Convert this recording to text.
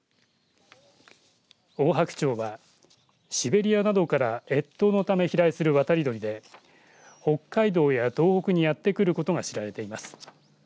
オオハクチョウはシベリアなどから越冬のため飛来する渡り鳥で北海道や東北にやってくることが知られています。